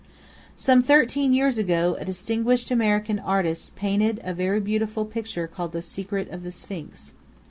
Some thirteen years ago,2 a distinguished American artist painted a very beautiful pictured called The Secret of the Sphinx.